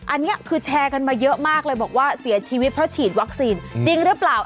อันนี้คือแชร์กันมาเยอะมากเลยบอกว่าเสียชีวิตเพราะฉีดวัคซีนจริงหรือเปล่า